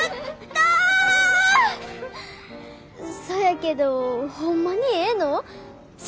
そやけどホンマにええの？